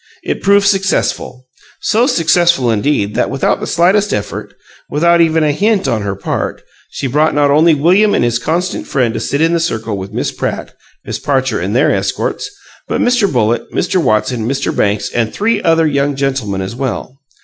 It proved successful, so successful, indeed, that without the slightest effort without even a hint on her part she brought not only William and his constant friend to sit in the circle with Miss Pratt, Miss Parcher and their escorts, but Mr. Bullitt, Mr. Watson, Mr. Banks, and three other young gentlemen as well.